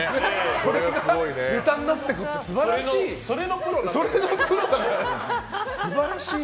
それがネタになっていくって素晴らしい。